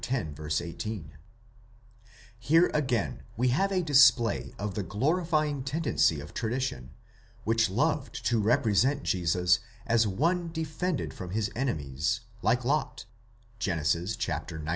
18).15 Here again we have a display of the glorifying tendency of tradition, which loved to represent Jesus as one defended from his enemies, like Lot (Gen. xix.